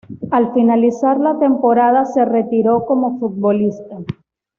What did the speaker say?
Al finalizar la temporada se retiró como futbolista.